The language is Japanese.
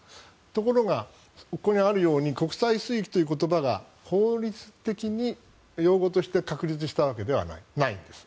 ところが、ここにあるように国際水域という言葉が法律的に用語として確立したわけではないんです。